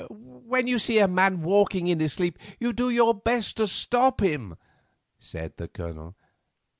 "When you see a man walking in his sleep you do your best to stop him," said the Colonel.